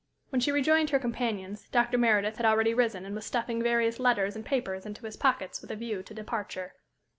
When she rejoined her companions, Dr. Meredith had already risen and was stuffing various letters and papers into his pockets with a view to departure.